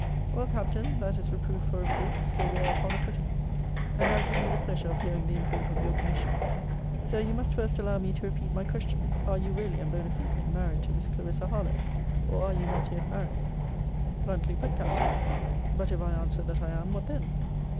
Well, Captain, that is reproof for reproof. So we are upon a footing. And now give me the pleasure of hearing the import of your commission. Sir, you must first allow me to repeat my question: Are you really, and bonâ fide, married to Miss Clarissa Harlowe? or are you not yet married? Bluntly put, Captain. But if I answer that I am, what then?